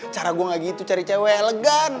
cara gue gak gitu cari cewek elegan